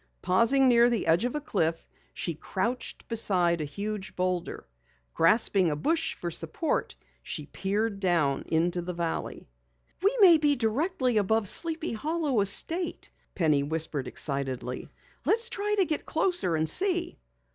Pausing near the edge of a cliff, she crouched beside a huge boulder. Grasping a bush for support, she peered down into the valley. "We may be directly above Sleepy Hollow estate!" Penny whispered excitedly. "Let's try to get closer and see!"